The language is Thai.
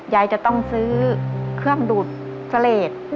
ยายจะต้องซื้อเครื่องดูดเสลด